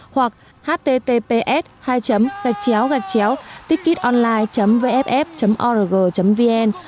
hoặc https hai gạch chéo gạch chéo ticketonline vff org vn